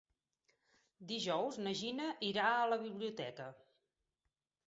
Dijous na Gina irà a la biblioteca.